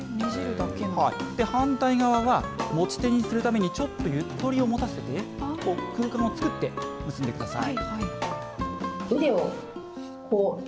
反対側は持ち手にするために、ちょっとゆとりを持たせて、こう、空間を作って結んでください。